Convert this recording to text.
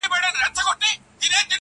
ما له ازله بې خبره کوچي؛